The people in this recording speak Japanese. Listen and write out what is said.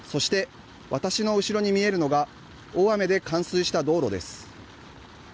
そして、私の後ろに見えるのが大雨で冠水した道路です。